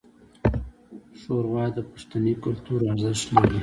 ښوروا د پښتني کلتور ارزښت لري.